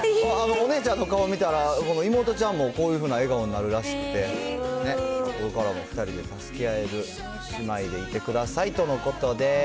お姉ちゃんの顔見たら、この妹ちゃんも、こういうふうな笑顔になるらしくて、ね、これからも２人で助け合える姉妹でいてくださいとのことです。